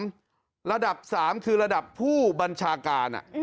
ระดับสามระดับสามคือระดับผู้บังชาการ